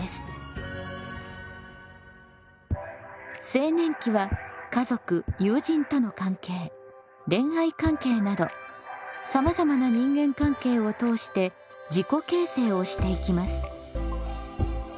青年期は家族友人との関係恋愛関係などさまざまな人間関係を通して「自己形成」をしていきます。